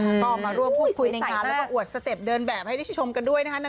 แล้วก็มาร่วมพูดคุยในงานแล้วก็อวดสเต็ปเดินแบบให้ได้ชมกันด้วยนะคะ